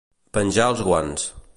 Penjar els guants.